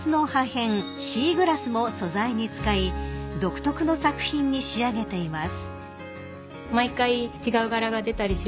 シーグラスも素材に使い独特の作品に仕上げています］